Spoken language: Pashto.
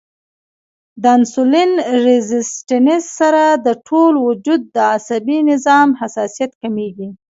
د انسولين ريزسټنس سره د ټول وجود د عصبي نظام حساسیت کميږي